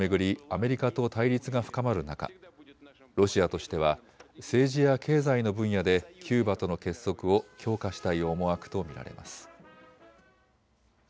アメリカと対立が深まる中、ロシアとしては政治や経済の分野でキューバとの結束を強化したい思惑と見られます。